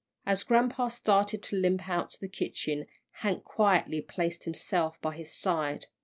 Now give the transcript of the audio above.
As grampa started to limp out to the kitchen, Hank quietly placed himself by his side.